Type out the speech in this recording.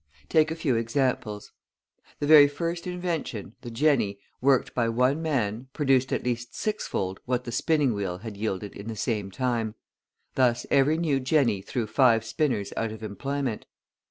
Take a few examples. The very first invention, the jenny, worked by one man, produced at least sixfold what the spinning wheel had yielded in the same time; thus every new jenny threw five spinners out of employment.